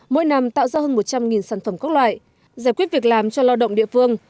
mỗi năm tạo ra hơn một trăm linh sản phẩm các loại giải quyết việc làm cho lao động địa phương